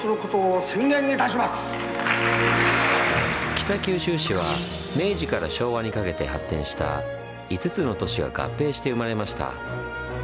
北九州市は明治から昭和にかけて発展した５つの都市が合併して生まれました。